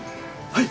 はい。